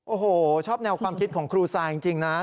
โอ้โหชอบแนวความคิดของครูซายจริงนะ